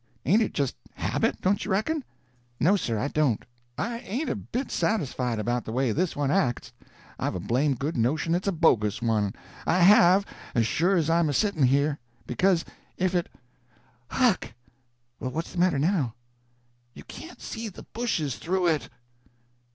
Ain't it just habit, don't you reckon?" "No, sir, I don't. I ain't a bit satisfied about the way this one acts. I've a blame good notion it's a bogus one—I have, as sure as I'm a sitting here. Because, if it—Huck!" "Well, what's the matter now?" "_You can't see the bushes through it!